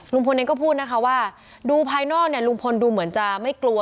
เองก็พูดนะคะว่าดูภายนอกเนี่ยลุงพลดูเหมือนจะไม่กลัว